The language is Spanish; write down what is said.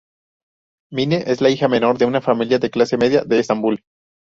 Mine es la hija menor de una familia de clase media de Estambul.